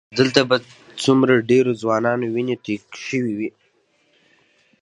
دلته به څومره ډېرو ځوانانو وینې تویې شوې وي.